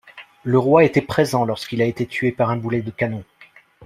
Le roi était présent lorsqu'il a été tué par un boulet de canon.